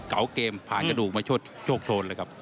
เก่าเกมผ่านกระดูกมาโชดเลยครับ